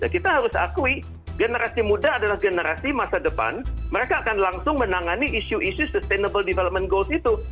kita harus akui generasi muda adalah generasi masa depan mereka akan langsung menangani isu isu sustainable development goals itu